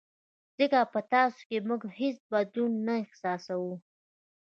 ځکه په تاسو کې موږ هېڅ بدلون نه احساسوو.